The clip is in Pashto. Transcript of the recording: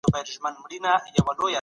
ادبي شننې د لوستونکو د پوهې کچه لوړوي.